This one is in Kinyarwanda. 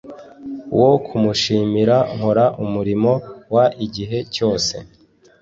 wo kumushimira nkora umurimo w igihe cyose